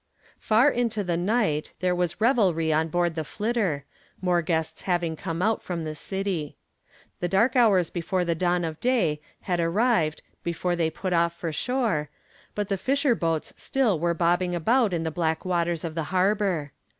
Far into the night there was revelry on board the "Flitter," more guests having come out from the city. The dark hours before the dawn of day had arrived before they put off for shore, but the fisher boats still were bobbing about in the black waters of the harbor.